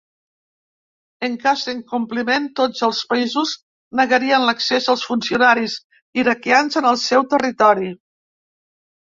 En cas d'incompliment, tots els països negarien l'accés als funcionaris iraquians en el seu territori.